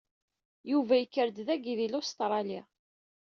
Yuba yekkred dagi di Lustṛali.